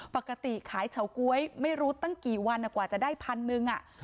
ปกติขายเฉาก๊วยไม่รู้ตั้งกี่วันกว่าจะได้พันหนึ่ง